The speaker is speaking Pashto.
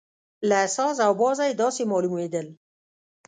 له ساز او بازه یې داسې معلومېدل.